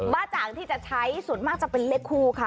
้าจ่างที่จะใช้ส่วนมากจะเป็นเลขคู่ค่ะ